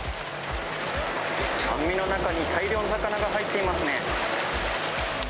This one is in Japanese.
網の中に大量の魚が入っていますね。